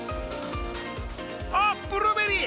あっブルーベリー！